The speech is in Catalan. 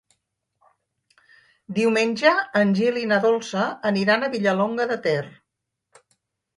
Diumenge en Gil i na Dolça aniran a Vilallonga de Ter.